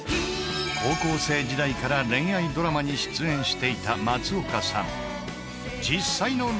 高校生時代から恋愛ドラマに出演していた松岡さん。